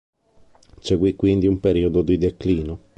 Seguì quindi un periodo di declino.